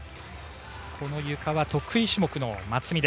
ゆかは得意種目の松見。